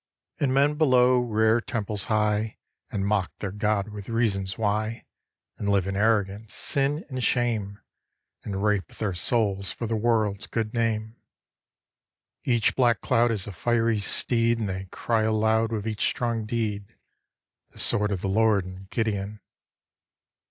And men below rear temples high And mock their God with reasons why, And live, in arrogance, sin and shame, And rape their souls for the world's good name. Each black cloud Is a fiery steed. And they cry aloud With each strong deed, "The sword of the Lord and Gideon."